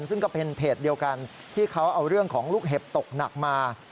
ซึ่งก็เป็นเพจเดียวกันที่เขาเอาเรื่องของลูกเห็บตกหนักมา